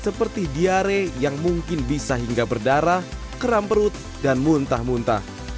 seperti diare yang mungkin bisa hingga berdarah keram perut dan muntah muntah